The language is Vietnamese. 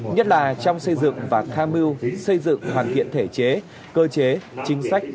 nhất là trong xây dựng và tham mưu xây dựng hoàn thiện thể chế cơ chế chính sách